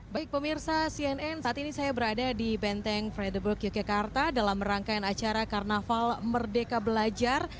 baik pemirsa cnn saat ini saya berada di benteng fredeburg yogyakarta dalam rangkaian acara karnaval merdeka belajar